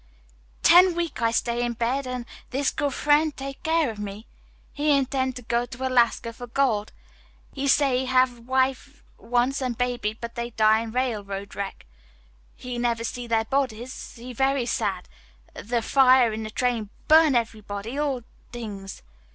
"Ten week I stay in bed an' this good frien' take care of me. He inten' to go to Alaska for gold. He say he have wife once an' baby but they die in railroad wreck. He never see their bodies. He very sad. The fire in the train burn everybody, all t'ings."